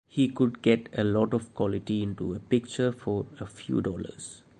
He could get a lot of quality into a picture for a few dollars.